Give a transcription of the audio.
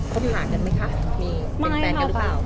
คบหากันไหมคะมีเป็นแฟนกันหรือเปล่า